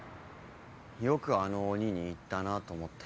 よくあの鬼に言ったなと思って。